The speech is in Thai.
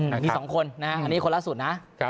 มี๒คนนะฮะอันนี้คนล่าสุดนะ